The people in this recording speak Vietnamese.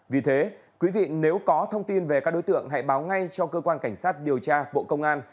vì thế quý vị nếu có thông tin về các đối tượng hãy báo ngay cho cơ quan cảnh sát điều tra bộ công an